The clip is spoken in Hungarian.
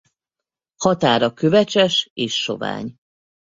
Határa kövecses és sovány.